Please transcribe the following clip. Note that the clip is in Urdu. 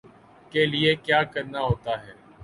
کے لیے کیا کرنا ہوتا ہے